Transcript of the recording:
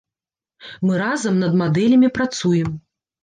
Мы разам над мадэлямі працуем.